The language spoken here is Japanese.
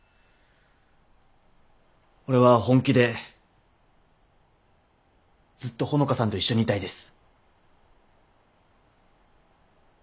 俺は本気でずっと穂香さんと一緒にいたいです。